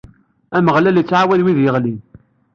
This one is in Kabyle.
Ameɣlal ittɛawan wid yeɣlin.